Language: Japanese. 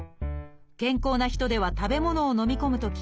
健康な人では食べ物をのみ込むとき